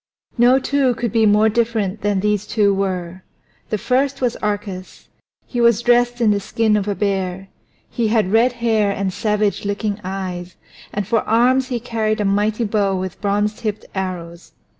No two could be more different than these two were. The first was Arcas. He was dressed in the skin of a bear; he had red hair and savage looking eyes, and for arms he carried a mighty bow with bronze tipped arrows.